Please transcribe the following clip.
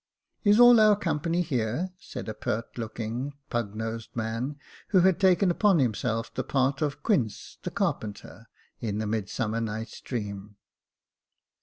*' Is all our company here ?" said a pert looking, little pug nosed man, who had taken upon himself the part of Quince the carpenter, in the Midsummer Night's Dream.